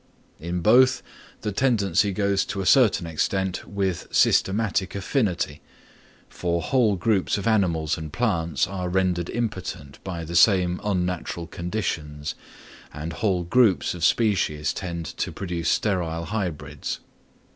In both, the tendency goes to a certain extent with systematic affinity, for whole groups of animals and plants are rendered impotent by the same unnatural conditions; and whole groups of species tend to produce sterile hybrids.